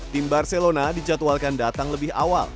tim barcelona dijadwalkan datang lebih awal